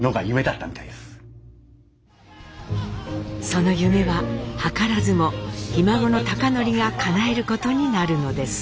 その夢は図らずもひ孫の貴教がかなえることになるのです。